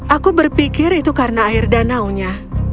aku berpikir itu karena air danaunya